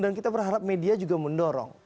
dan kita berharap media juga mendorong